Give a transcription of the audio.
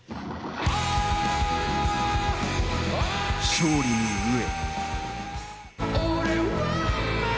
勝利に飢え。